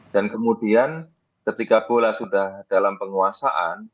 kemudian ketika bola sudah dalam penguasaan